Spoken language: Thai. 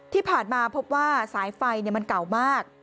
ที่ผ่านมาพบว่าสายไฟมันเก่ามาก